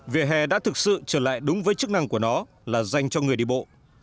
vỉa hè đã thực sự trở lại đúng với chức năng của nó là dành cho người đi bộ